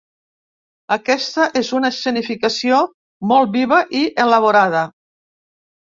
Aquesta és una escenificació molt viva i elaborada.